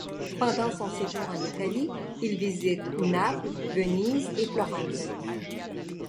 Pendant son séjour en Italie il visite Naples, Venise et Florence.